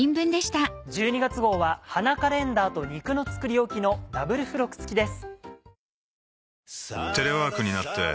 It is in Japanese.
１２月号は花カレンダーと肉の作りおきのダブル付録付きです。